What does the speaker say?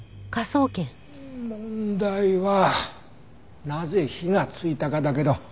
問題はなぜ火がついたかだけど。